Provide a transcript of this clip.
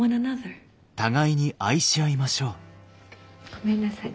ごめんなさい。